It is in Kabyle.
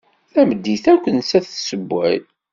Tameddit akk nettat tessewway.